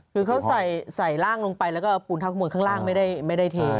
คือเขาใส่ร่างลงไปแล้วก็ปุ่นเท้ากระมวลข้างล่างไม่ได้เท